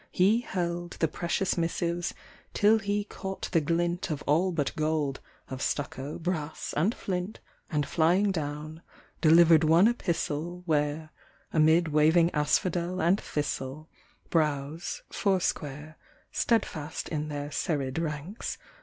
He held The precious missives, till he caught the glint Of all but gold (of stucco, brass, and flint), And flying down, delivered one epistle Where, amid waving asphodel and thistle Bi'owse, foursquare, steadfast in their serried ranks.